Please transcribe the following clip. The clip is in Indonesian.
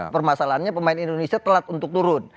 permasalahannya pemain indonesia telat untuk turun